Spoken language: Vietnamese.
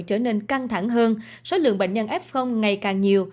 trở nên căng thẳng hơn số lượng bệnh nhân f ngày càng nhiều